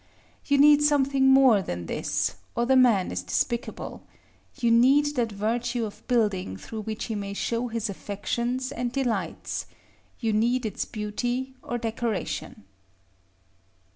You need something more than this, or the man is despicable; you need that virtue of building through which he may show his affections and delights; you need its beauty or decoration.